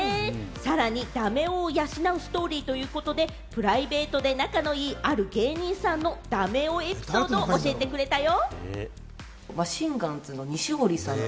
さらにダメ男を養うストーリーということで、プライベートで仲の良いある芸人さんのダメ男エピソードを教えてくれたよ。